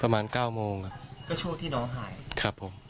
ประมาณ๙โมงครับก็โชคที่นองหายครับผม